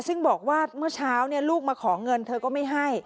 ซึ่งบอกว่าเมื่อเช้าลูกมาขอเงินเธอก็ไม่ให้